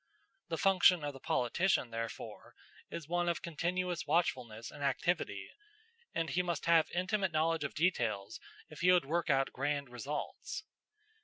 The function of the politician, therefore, is one of continuous watchfulness and activity, and he must have intimate knowledge of details if he would work out grand results.